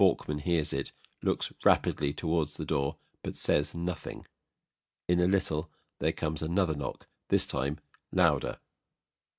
BORKMAN hears it, looks rapidly towards the door, but says nothing. [In a little there comes another knock, this time louder.